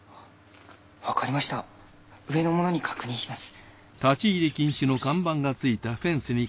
わかりました上の者に確認します。